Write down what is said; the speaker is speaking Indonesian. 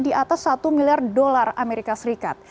di atas satu miliar dolar amerika serikat